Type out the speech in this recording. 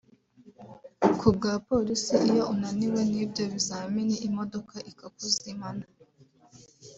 Ku bwa polisi iyo unaniwe n’ibyo bizamini imodoka ikakuzimana